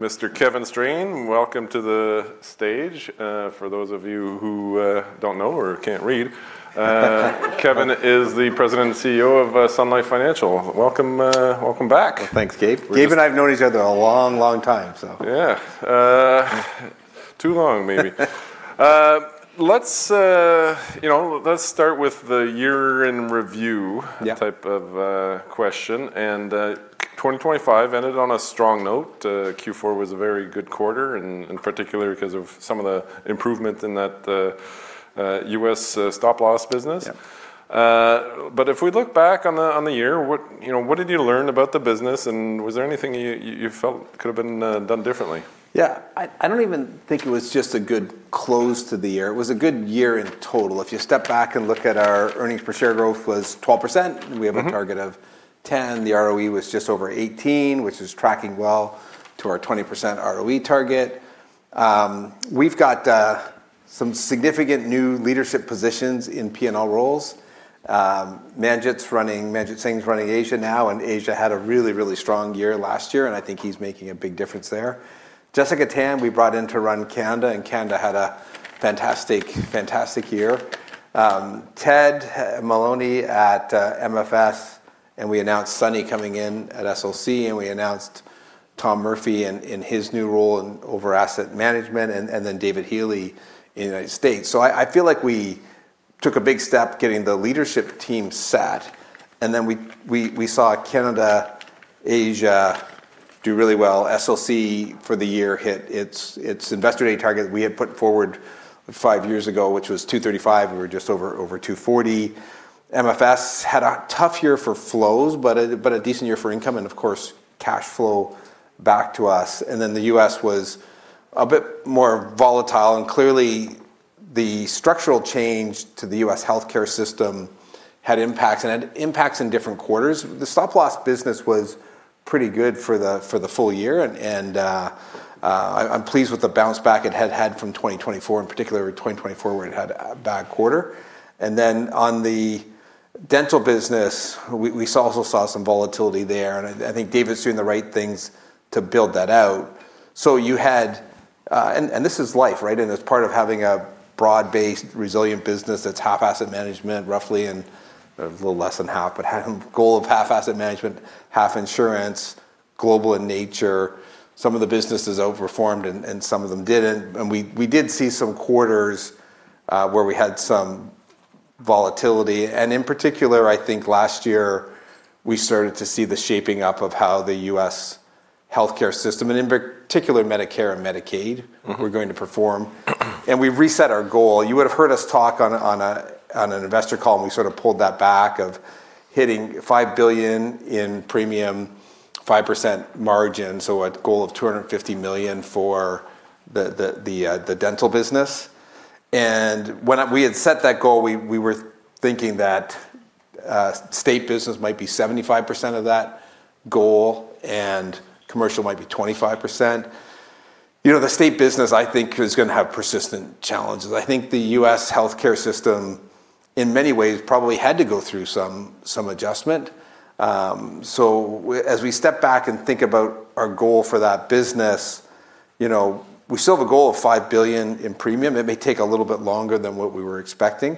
Mr. Kevin Strain, welcome to the stage. For those of you who don't know, Kevin is the President and CEO of Sun Life Financial. Welcome back. Well, thanks, Gabe. It's- Gabe and I have known each other a long, long time, so. Yeah. Too long maybe. You know, let's start with the year in review. Yeah Type of question. 2025 ended on a strong note. Q4 was a very good quarter, in particular 'cause of some of the improvement in that U.S. Stop-Loss business. Yeah. If we look back on the year, what, you know, what did you learn about the business, and was there anything you felt could've been done differently? Yeah. I don't even think it was just a good close to the year. It was a good year in total. If you step back and look at our earnings per share growth was 12%. Mm-hmm. We have a target of 10%. The ROE was just over 18%, which is tracking well to our 20% ROE target. We've got some significant new leadership positions in P&L roles. Manjit Singh's running Asia now. Asia had a really strong year last year, and I think he's making a big difference there. Jessica Tan, we brought in to run Canada, and Canada had a fantastic year. Ted Maloney at MFS, and we announced Sunny coming in at SLC, and we announced Tom Murphy in his new role over asset management, and then David Healy in United States. I feel like we took a big step getting the leadership team set. We saw Canada, Asia do really well. SOC for the year hit its investor rate target we had put forward five years ago, which was 235. We were just over 240. MFS had a tough year for flows, but a decent year for income, and of course cash flow back to us. Then the U.S. was a bit more volatile. Clearly, the structural change to the U.S. healthcare system had impacts, and it had impacts in different quarters. The Stop-Loss business was pretty good for the full year, and I'm pleased with the bounce back it had from 2024, in particular 2024 where it had a bad quarter. Then on the dental business, we also saw some volatility there, and I think David's doing the right things to build that out. You had... This is life, right? It's part of having a broad-based, resilient business that's half asset management roughly and a little less than half, but have a goal of half asset management, half insurance, global in nature. Some of the businesses over-performed and some of them didn't. We did see some quarters where we had some volatility. In particular, I think last year we started to see the shaping up of how the U.S. healthcare system, and in particular Medicare and Medicaid Mm-hmm We were going to perform. We've reset our goal. You would've heard us talk on an investor call, and we sort of pulled that back of hitting $5 billion in premium, 5% margin, so a goal of $250 million for the dental business. When we had set that goal, we were thinking that state business might be 75% of that goal, and commercial might be 25%. You know, the state business, I think, is gonna have persistent challenges. I think the U.S. healthcare system in many ways probably had to go through some adjustment. As we step back and think about our goal for that business, you know, we still have a goal of $5 billion in premium. It may take a little bit longer than what we were expecting.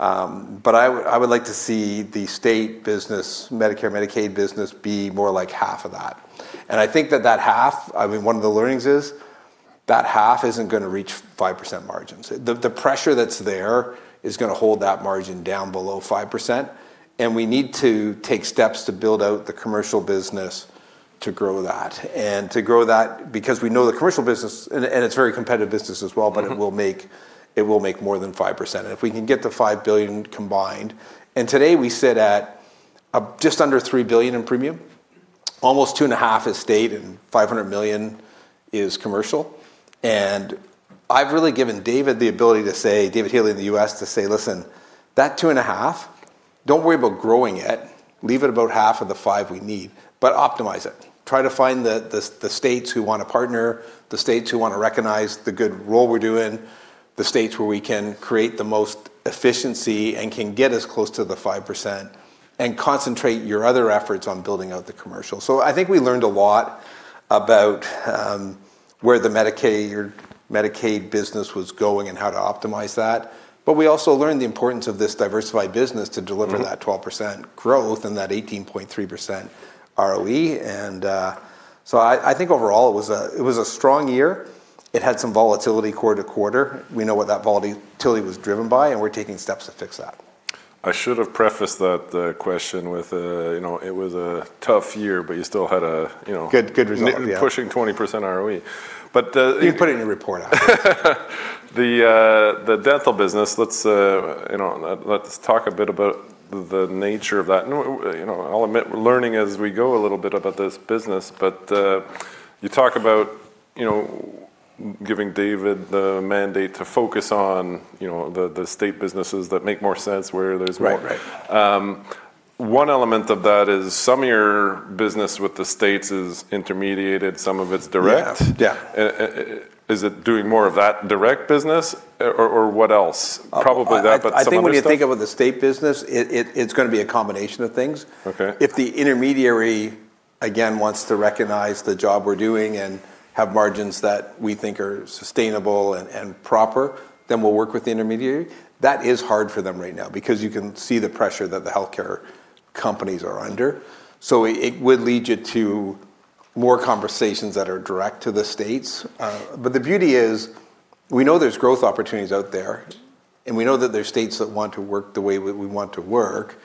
I would like to see the state business, Medicare/Medicaid business be more like half of that. I think that half, I mean, one of the learnings is that half isn't gonna reach 5% margins. The pressure that's there is gonna hold that margin down below 5%, and we need to take steps to build out the commercial business to grow that, to grow that, because we know the commercial business. It's very competitive business as well. Mm-hmm But it will make more than 5%. If we can get to $5 billion combined. Today we sit at just under $3 billion in premium. Almost $2.5 billion is state, and $500 million is commercial. I've really given David the ability to say, David Healy in the U.S., to say, "Listen, that $2.5 billion, don't worry about growing it. Leave it about half of the $5 billion we need, but optimize it. Try to find the states who wanna partner, the states who wanna recognize the good role we're doing, the states where we can create the most efficiency and can get us close to the 5%, and concentrate your other efforts on building out the commercial. I think we learned a lot about where the Medicaid business was going and how to optimize that, but we also learned the importance of this diversified business to deliver- Mm-hmm that 12% growth and that 18.3% ROE. I think overall it was a strong year. It had some volatility quarter to quarter. We know what that volatility was driven by, and we're taking steps to fix that. I should've prefaced that, the question, with you know, it was a tough year, but you still had a you know. Good, good result. Yeah.... pushing 20% ROE. You can put it in your report. The dental business, let's talk a bit about the nature of that. You know, I'll admit we're learning as we go a little bit about this business. You talk about, you know, giving David the mandate to focus on, you know, the state businesses that make more sense where there's more- Right. One element of that is some of your business with the states is intermediated, some of it's direct. Yeah, yeah. Is it doing more of that direct business or what else? Probably that, but some other stuff? I think when you think about the state business, it's gonna be a combination of things. Okay. If the intermediary again wants to recognize the job we're doing and have margins that we think are sustainable and proper, then we'll work with the intermediary. That is hard for them right now because you can see the pressure that the healthcare companies are under. It would lead you to more conversations that are direct to the states. But the beauty is we know there's growth opportunities out there, and we know that there are states that want to work the way we want to work,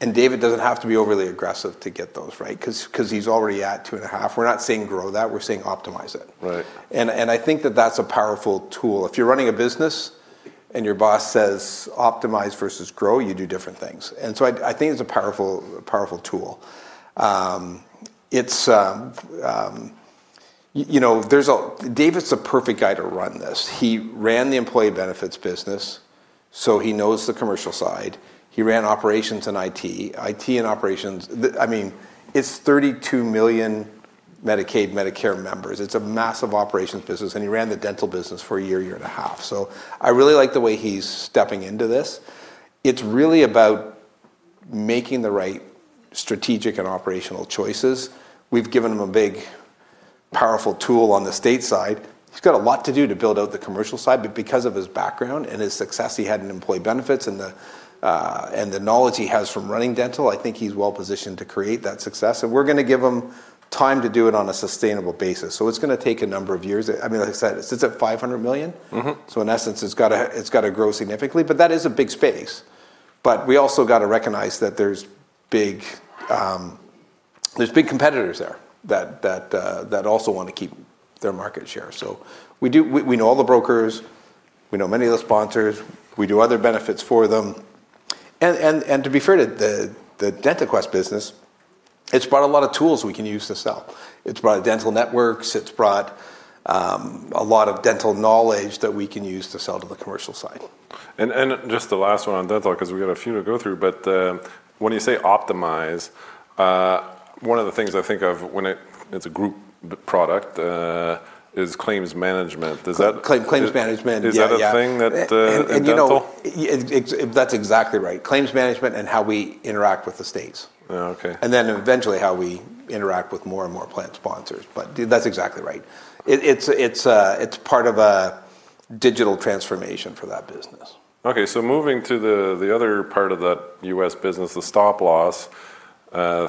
and David doesn't have to be overly aggressive to get those, right? 'Cause he's already at 2.5. We're not saying grow that. We're saying optimize it. Right. I think that that's a powerful tool. If you're running a business and your boss says, "Optimize versus grow," you do different things, and I think it's a powerful tool. You know, there's a... David's the perfect guy to run this. He ran the employee benefits business, so he knows the commercial side. He ran operations and IT. I mean, it's 32 million Medicaid/Medicare members. It's a massive operations business, and he ran the dental business for a year and a half. I really like the way he's stepping into this. It's really about making the right strategic and operational choices. We've given him a big, powerful tool on the state side. He's got a lot to do to build out the commercial side. Because of his background and his success he had in employee benefits and the knowledge he has from running dental, I think he's well positioned to create that success. We're gonna give him time to do it on a sustainable basis, so it's gonna take a number of years. I mean, like I said, it sits at $500 million. Mm-hmm. In essence, it's gotta grow significantly, but that is a big space. We also gotta recognize that there's big competitors there that also wanna keep their market share. We know all the brokers. We know many of the sponsors. We do other benefits for them. To be fair to the DentaQuest business, it's brought a lot of tools we can use to sell. It's brought dental networks. It's brought a lot of dental knowledge that we can use to sell to the commercial side. Just the last one on dental 'cause we got a few to go through, but when you say optimize, one of the things I think of, it's a group product, is claims management. Does that- Claim, claims management. Yeah, yeah. Is that a thing that, in dental? You know, yeah. That's exactly right. Claims management and how we interact with the states. Oh, okay. Eventually how we interact with more and more plan sponsors. That's exactly right. It's part of a digital transformation for that business. Okay, moving to the other part of that U.S. business, the Stop-Loss,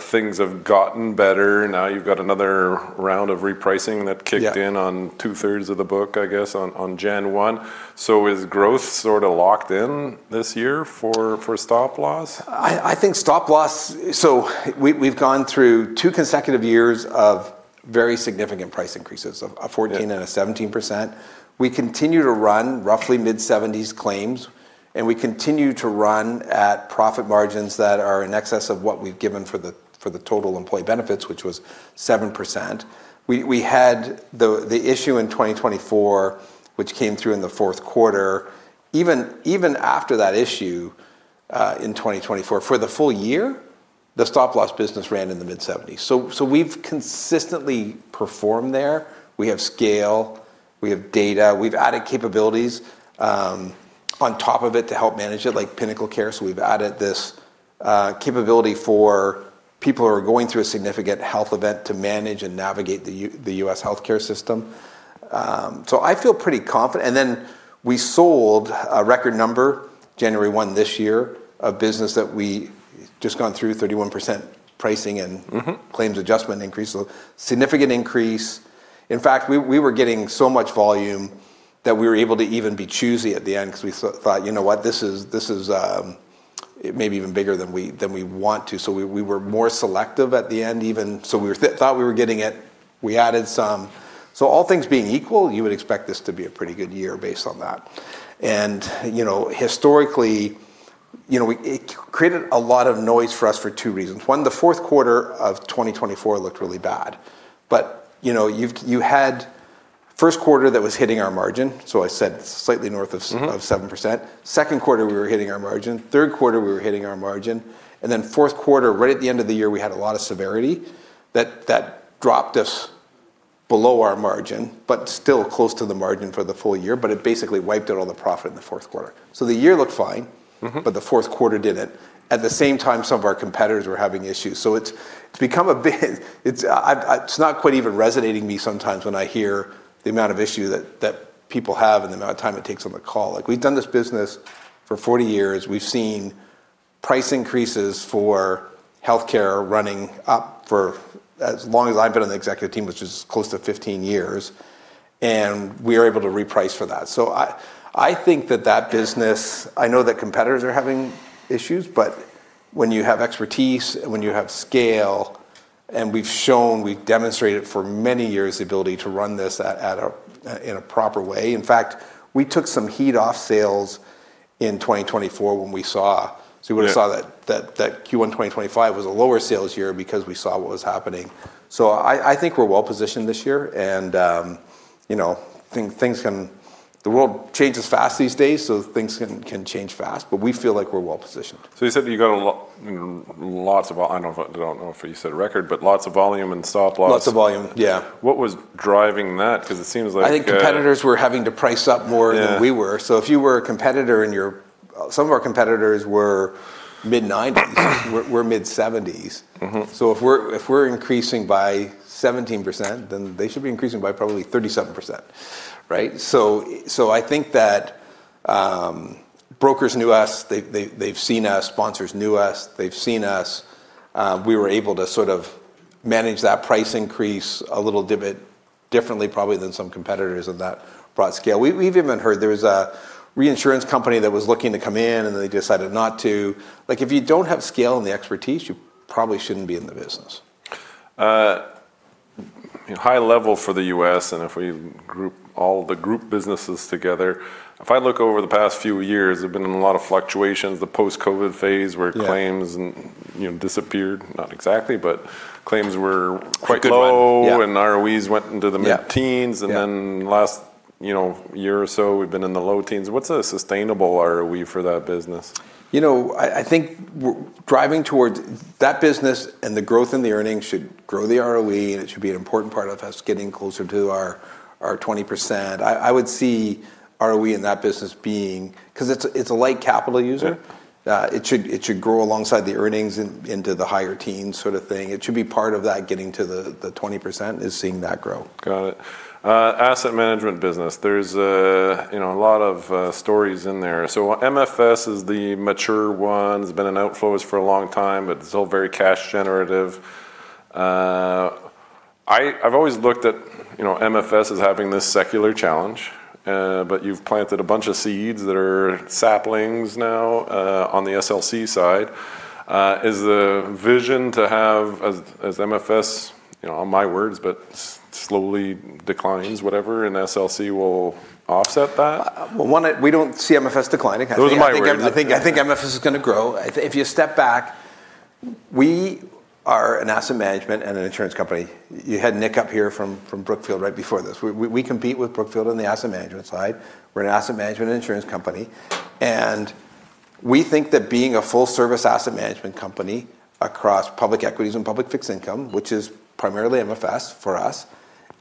things have gotten better. Now you've got another round of repricing that kicked in- Yeah... on 2/3 of the book, I guess, on January 1. Is growth sorta locked in this year for Stop-Loss? I think Stop-Loss. We've gone through two consecutive years of very significant price increases, a 14%- Yeah a 17%. We continue to run roughly mid-70s claims, and we continue to run at profit margins that are in excess of what we've given for the total employee benefits which was 7%. We had the issue in 2024 which came through in the fourth quarter. Even after that issue in 2024, for the full year, the Stop-Loss business ran in the mid-70s. So we've consistently performed there. We have scale. We have data. We've added capabilities on top of it to help manage it like PinnacleCare, so we've added this capability for people who are going through a significant health event to manage and navigate the U.S. healthcare system. I feel pretty confident. We sold a record number January 1 this year of business that we just gone through 31% pricing and. Mm-hmm Claims adjustment increase, so significant increase. In fact, we were getting so much volume that we were able to even be choosy at the end 'cause we thought, "You know what? This is maybe even bigger than we want to." We were more selective at the end even. We thought we were getting it. We added some. All things being equal, you would expect this to be a pretty good year based on that. You know, historically, you know, it created a lot of noise for us for two reasons. One, the fourth quarter of 2024 looked really bad, you know, you had first quarter that was hitting our margin, so I said slightly north of Mm-hmm... of 7%. Second quarter we were hitting our margin. Third quarter we were hitting our margin, and then fourth quarter, right at the end of the year, we had a lot of severity that dropped us below our margin, but still close to the margin for the full year. It basically wiped out all the profit in the fourth quarter. The year looked fine. Mm-hmm The fourth quarter didn't. At the same time, some of our competitors were having issues, so it's become a bit. It's not quite even resonating with me sometimes when I hear the amount of issue that people have and the amount of time it takes on the call. Like, we've done this business for 40 years. We've seen price increases for healthcare running up for as long as I've been on the executive team which is close to 15 years, and we are able to reprice for that. I think that business, I know that competitors are having issues, but when you have expertise, when you have scale, and we've shown, we've demonstrated for many years the ability to run this at a in a proper way. In fact, we took some heat off sales in 2024 when we saw. Yeah We would've saw that Q1 2025 was a lower sales year because we saw what was happening. I think we're well-positioned this year, and you know, the world changes fast these days, so things can change fast, but we feel like we're well-positioned. You said that you got, you know, lots of volume. I don't know if you said record, but lots of volume in Stop-Loss. Lots of volume. Yeah. What was driving that? 'Cause it seems like, I think competitors were having to price up more. Yeah... than we were. If you were a competitor, some of our competitors were mid-nineties. We're mid-seventies. Mm-hmm. If we're increasing by 17%, then they should be increasing by probably 37%, right? I think that brokers knew us, they've seen us. Sponsors knew us, they've seen us. We were able to sort of manage that price increase a little bit differently probably than some competitors of that broad scale. We've even heard there was a reinsurance company that was looking to come in, and they decided not to. Like, if you don't have scale and the expertise, you probably shouldn't be in the business. High level for the U.S., and if we group all the group businesses together, if I look over the past few years, there's been a lot of fluctuations, the post-COVID phase where claims- Yeah you know, disappeared. Not exactly, but claims were quite low. Quite low, yeah. ROEs went into the mid-teens. Yeah. Yeah. Last year or so, you know, we've been in the low teens. What's a sustainable ROE for that business? You know, I think driving towards that business and the growth in the earnings should grow the ROE, and it should be an important part of us getting closer to our 20%. I would see ROE in that business being, 'cause it's a light capital user. Yeah. It should grow alongside the earnings into the higher teen sort of thing. It should be part of that getting to the 20% is seeing that growth. Got it. Asset management business, there's you know a lot of stories in there. MFS is the mature one. It's been in outflows for a long time, but it's all very cash generative. I've always looked at you know MFS as having this secular challenge, but you've planted a bunch of seeds that are saplings now on the SLC side. Is the vision to have as MFS you know my words but slowly declines whatever, and SLC will offset that? One, we don't see MFS declining. Those are my words. I think MFS is gonna grow. If you step back, we are an asset management and an insurance company. You had Nick up here from Brookfield right before this. We compete with Brookfield on the asset management side. We're an asset management and insurance company. We think that being a full service asset management company across public equities and public fixed income, which is primarily MFS for us,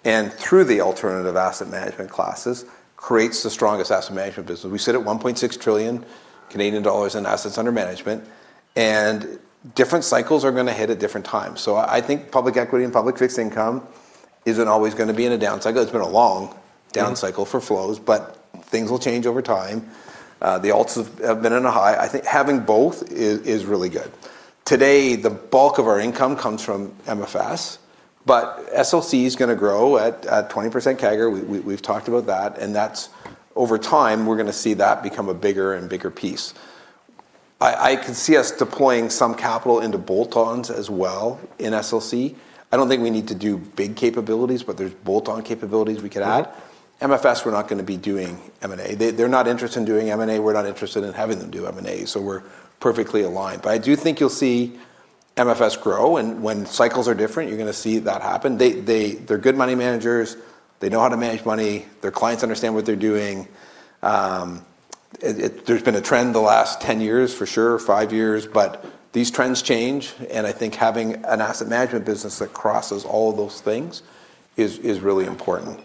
and through the alternative asset management classes, creates the strongest asset management business. We sit at 1.6 trillion Canadian dollars in assets under management, and different cycles are gonna hit at different times. I think public equity and public fixed income isn't always gonna be in a down cycle. It's been a long down cycle for flows, but things will change over time. The alts have been in a high. I think having both is really good. Today, the bulk of our income comes from MFS, but SLC is gonna grow at 20% CAGR. We've talked about that, and that's over time, we're gonna see that become a bigger and bigger piece. I can see us deploying some capital into bolt-ons as well in SLC. I don't think we need to do big capabilities, but there's bolt-on capabilities we could add. Yeah. MFS, we're not gonna be doing M&A. They're not interested in doing M&A. We're not interested in having them do M&A, so we're perfectly aligned. I do think you'll see MFS grow, and when cycles are different, you're gonna see that happen. They're good money managers. They know how to manage money. Their clients understand what they're doing. There's been a trend the last 10 years for sure, five years, but these trends change, and I think having an asset management business that crosses all of those things is really important.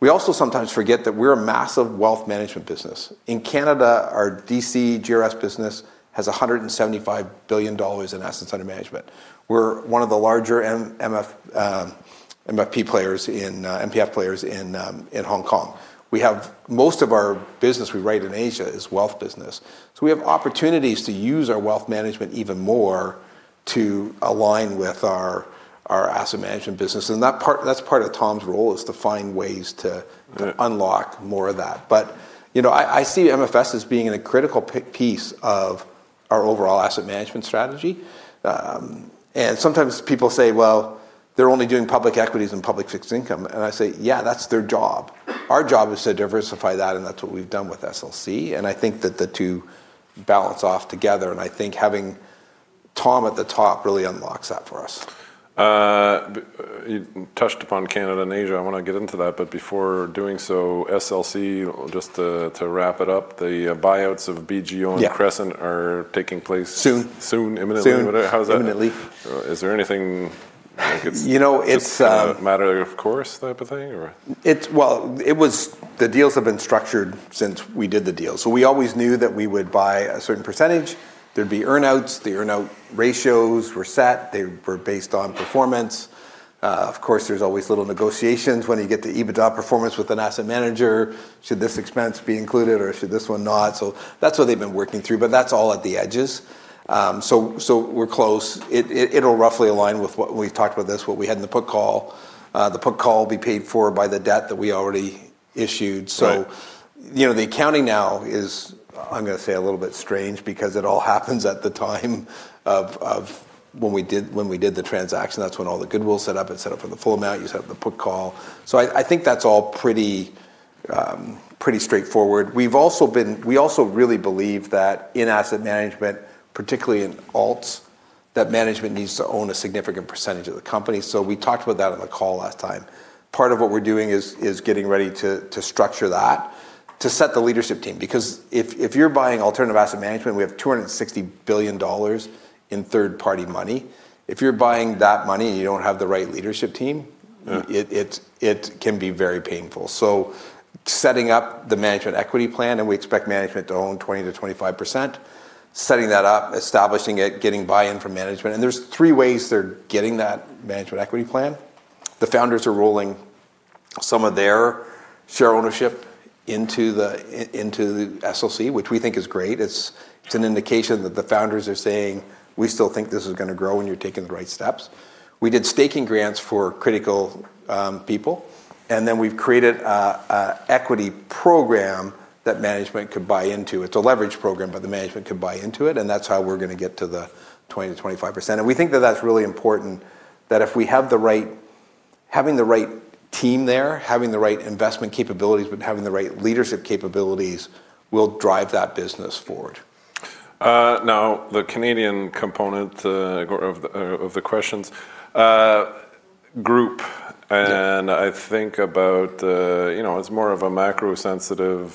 We also sometimes forget that we're a massive wealth management business. In Canada, our DC GRS business has 175 billion dollars in assets under management. We're one of the larger MPF players in Hong Kong. We have most of our business we write in Asia is wealth business. We have opportunities to use our wealth management even more to align with our asset management business. That part, that's part of Tom's role is to find ways to Right unlock more of that. You know, I see MFS as being in a critical piece of our overall asset management strategy. Sometimes people say, "Well, they're only doing public equities and public fixed income." I say, "Yeah, that's their job." Our job is to diversify that, and that's what we've done with SLC. I think that the two balance each other, and I think having Tom at the top really unlocks that for us. You touched upon Canada and Asia. I wanna get into that, but before doing so, SLC, just to wrap it up, the buyouts of BGO- Yeah and Crescent are taking place. Soon soon, imminently. Soon. How's that- Imminently. Is there anything- You know, it's It's a matter of course type of thing or? The deals have been structured since we did the deal. We always knew that we would buy a certain percentage. There'd be earn-outs. The earn-out ratios were set. They were based on performance. Of course, there's always little negotiations when you get to EBITDA performance with an asset manager. Should this expense be included or should this one not? That's what they've been working through, but that's all at the edges. We're close. It'll roughly align with what we've talked about this, what we had in the put call. The put call will be paid for by the debt that we already issued. Right. You know, the accounting now is, I'm gonna say, a little bit strange because it all happens at the time of when we did the transaction. That's when all the goodwill is set up. It's set up for the full amount. You set up the put call. I think that's all pretty straightforward. We also really believe that in asset management, particularly in alts, that management needs to own a significant percentage of the company. We talked about that on the call last time. Part of what we're doing is getting ready to structure that, to set the leadership team. Because if you're buying alternative asset management, we have $260 billion in third-party money. If you're buying the company and you don't have the right leadership team, it can be very painful. Setting up the management equity plan, and we expect management to own 20%-25%. Setting that up, establishing it, getting buy-in from management. There's three ways they're getting that management equity plan. The founders are rolling some of their share ownership into the SLC, which we think is great. It's an indication that the founders are saying, "We still think this is gonna grow, and you're taking the right steps." We did stock grants for critical people, and then we've created a equity program that management could buy into. It's a leverage program, but the management could buy into it, and that's how we're gonna get to the 20%-25%. We think that that's really important, having the right team there, having the right investment capabilities, but having the right leadership capabilities will drive that business forward. Now, the Canadian component of the questions. Yeah... and I think about, you know, as more of a macro-sensitive,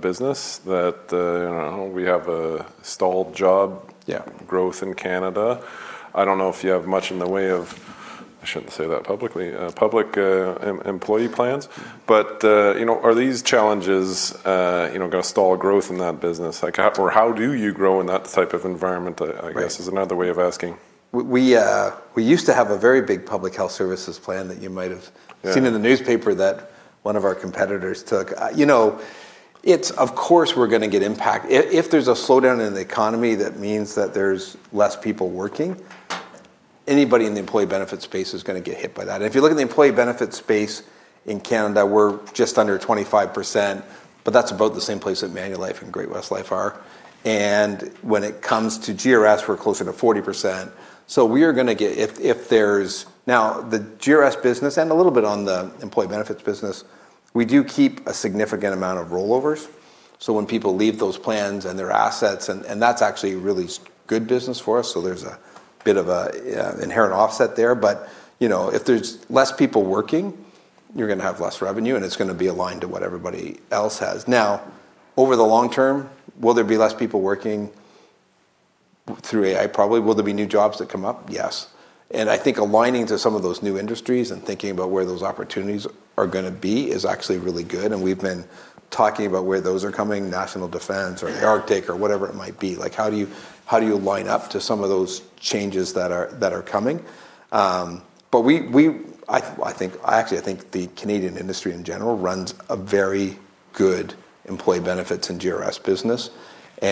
business that, you know, we have a stalled job Yeah... growth in Canada. I don't know if you have much in the way of public employee plans. I shouldn't say that publicly. You know, are these challenges, you know, gonna stall growth in that business? Like how or how do you grow in that type of environment? Right I guess is another way of asking. We used to have a very big public health services plan that you might have- Yeah seen in the newspaper that one of our competitors took. You know, it's. Of course we're gonna get impact. If there's a slowdown in the economy, that means that there's less people working, anybody in the employee benefits space is gonna get hit by that. If you look at the employee benefits space in Canada, we're just under 25%, but that's about the same place that Manulife and Great-West Life are. When it comes to GRS, we're closer to 40%. We are gonna get impact. Now, the GRS business, and a little bit on the employee benefits business, we do keep a significant amount of rollovers. So when people leave those plans and their assets, and that's actually really good business for us, so there's a bit of a inherent offset there. You know, if there's less people working, you're gonna have less revenue, and it's gonna be aligned to what everybody else has. Now, over the long term, will there be less people working through AI? Probably. Will there be new jobs that come up? Yes. I think aligning to some of those new industries and thinking about where those opportunities are gonna be is actually really good. We've been talking about where those are coming, national defense or Arctic or whatever it might be. Like how do you line up to some of those changes that are coming? I actually think the Canadian industry in general runs a very good employee benefits and GRS business. You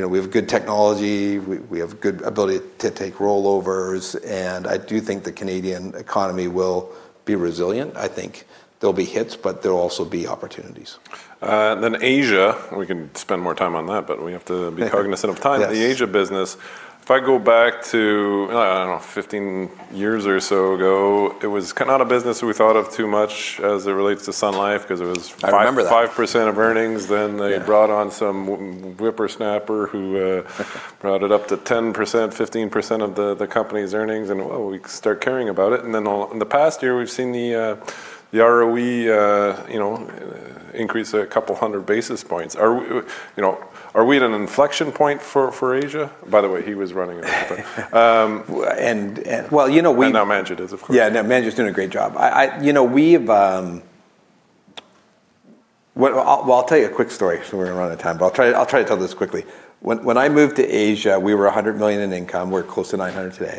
know, we have good technology. We have good ability to take rollovers, and I do think the Canadian economy will be resilient. I think there'll be hits, but there'll also be opportunities. Asia, we can spend more time on that, but we have to be cognizant of time. Yes. The Asia business, if I go back to, I don't know, 15 years or so ago, it was not a business we thought of too much as it relates to Sun Life because it was five- I remember that. 5% of earnings. Yeah brought it up to 10%, 15% of the company's earnings, and oh, we start caring about it. In the past year we've seen the ROE you know increase a couple hundred basis points. Are you know are we at an inflection point for Asia? By the way, he was running it. But Well, you know, Now Manjit is, of course. Yeah. No, Manjit's doing a great job. You know, we've. Well, I'll tell you a quick story because we're running out of time, but I'll try to tell this quickly. When I moved to Asia, we were 100 million in income. We're close to 900 million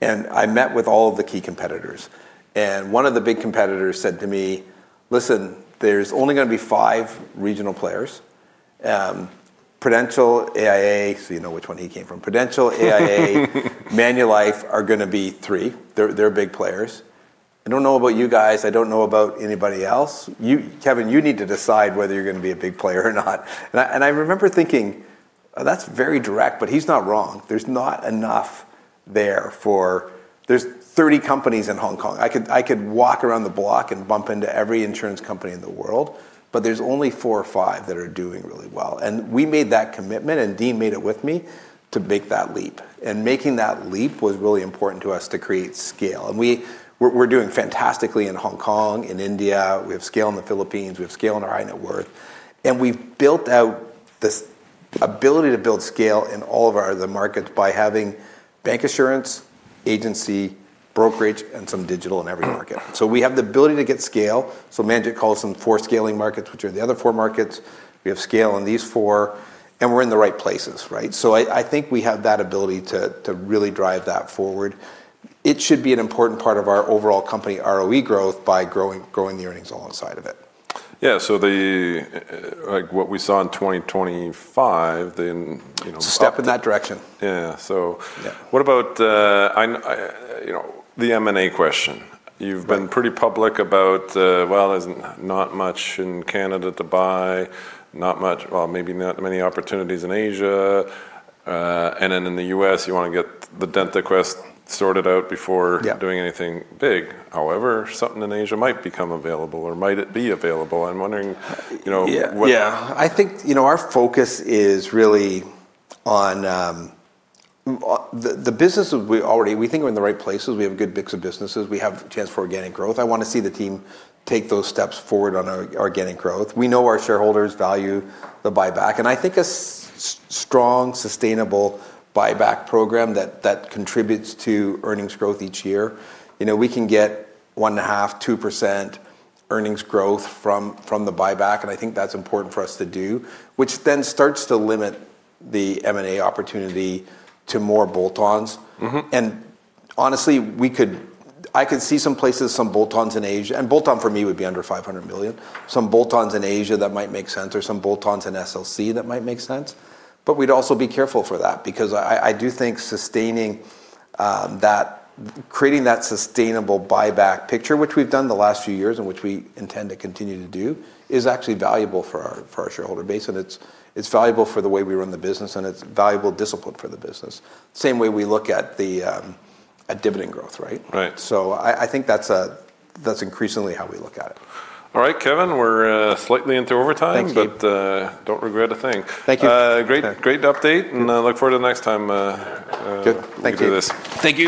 today. I met with all of the key competitors. One of the big competitors said to me, "Listen, there's only gonna be five regional players. Prudential, AIA." So you know which one he came from. "Prudential, AIA, Manulife are gonna be three. They're big players. I don't know about you guys. I don't know about anybody else. You, Kevin, you need to decide whether you're gonna be a big player or not." I remember thinking, "That's very direct, but he's not wrong." There's not enough there for. There's 30 companies in Hong Kong. I could walk around the block and bump into every insurance company in the world, but there's only four or five that are doing really well. We made that commitment, and Dean made it with me, to make that leap, and making that leap was really important to us to create scale. We're doing fantastically in Hong Kong, in India. We have scale in the Philippines. We have scale in our networks. We've built out this ability to build scale in all of our markets by having bancassurance, agency, brokerage, and some digital in every market. We have the ability to get scale. Manjit calls them four scaling markets, which are the other four markets. We have scale in these four, and we're in the right places, right? I think we have that ability to really drive that forward. It should be an important part of our overall company ROE growth by growing the earnings alongside of it. Yeah. Like what we saw in 2025, then, you know. It's a step in that direction. Yeah. Yeah What about, you know, the M&A question? Right. You've been pretty public about well, there's not much in Canada to buy. Well, maybe not many opportunities in Asia. In the U.S., you wanna get the DentaQuest sorted out before- Yeah doing anything big. However, something in Asia might become available or might be available. I'm wondering, you know, what Yeah. I think, you know, our focus is really on the business we already. We think we're in the right places. We have good mix of businesses. We have chance for organic growth. I wanna see the team take those steps forward on organic growth. We know our shareholders value the buyback, and I think a strong, sustainable buyback program that contributes to earnings growth each year, you know, we can get 0.5%-2% earnings growth from the buyback, and I think that's important for us to do, which then starts to limit the M&A opportunity to more bolt-ons. Mm-hmm. Honestly, I could see some places, some bolt-ons in Asia, and bolt-on for me would be under 500 million. Some bolt-ons in Asia that might make sense or some bolt-ons in SLC that might make sense, but we'd also be careful for that because I do think sustaining that, creating that sustainable buyback picture, which we've done the last few years and which we intend to continue to do, is actually valuable for our shareholder base, and it's valuable for the way we run the business, and it's valuable discipline for the business. Same way we look at the dividend growth, right? Right. I think that's increasingly how we look at it. All right, Kevin, we're slightly into overtime. Thank you. Don't regret a thing. Thank you. Great update, and I look forward to the next time. Good. Thank you. We do this. Thank you, guys.